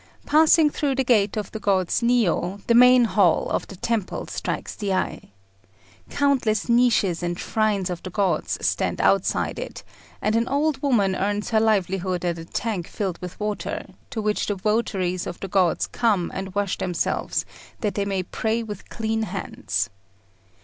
Passing through the gate of the gods Niô, the main hall of the temple strikes the eye. Countless niches and shrines of the gods stand outside it, and an old woman earns her livelihood at a tank filled with water, to which the votaries of the gods come and wash themselves that they may pray with clean hands.